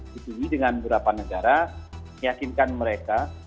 dikiri dengan beberapa negara meyakinkan mereka